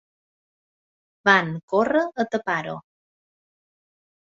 Van córrer a tapar-ho!